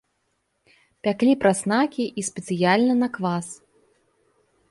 Пяклі праснакі і спецыяльна на квас.